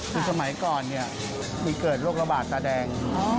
คือสมัยก่อนเนี่ยมีเกิดโรคระบาดตาแดง